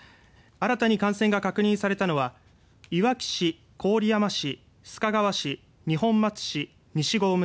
新たに感染が確認されたのはいわき市、郡山市、須賀川市二本松市、西郷村